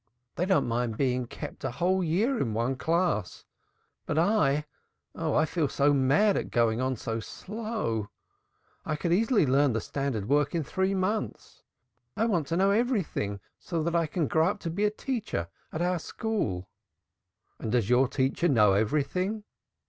They don't mind being kept a whole year in one class but I oh, I feel so mad at getting on so slow. I could easily learn the standard work in three months. I want to know everything so that I can grow up to be a teacher at our school." "And does your teacher know everything?"